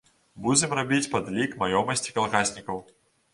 Будзем рабіць падлік маёмасці калгаснікаў.